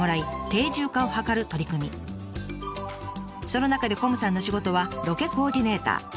その中でこむさんの仕事はロケコーディネーター。